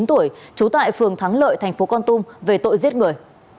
hai mươi chín tuổi trú tại phường thắng lợi thành phố con tum về tội giết người